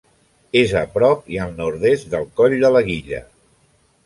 És a prop i al nord-est del Coll de la Guilla.